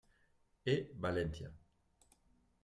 E. Valencia.